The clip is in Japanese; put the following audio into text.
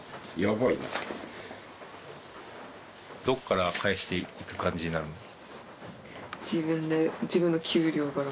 どこから返していく感じなの？